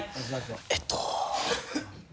えっと。